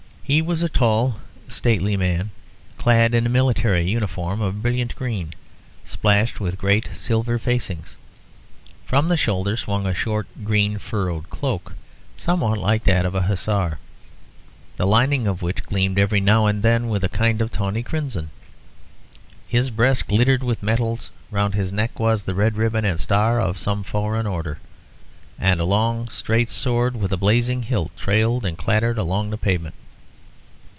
He was a tall stately man, clad in a military uniform of brilliant green, splashed with great silver facings. From the shoulder swung a short green furred cloak, somewhat like that of a Hussar, the lining of which gleamed every now and then with a kind of tawny crimson. His breast glittered with medals; round his neck was the red ribbon and star of some foreign order; and a long straight sword, with a blazing hilt, trailed and clattered along the pavement.